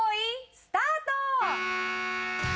スタート。